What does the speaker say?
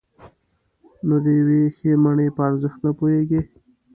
نو د یوې ښې مڼې په ارزښت نه پوهېږئ.